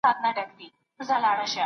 نه په کار مي دی معاش نه منصب او نه مقام